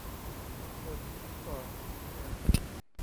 พล นิกร กิมหงวน